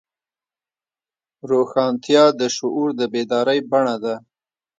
روښانتیا د شعور د بیدارۍ بڼه ده.